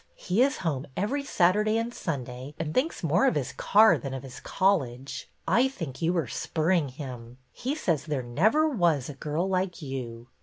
He is home every Saturday and Sunday, and thinks more of his car than of his college. I think you are spurring him. He says there never was a girl like you."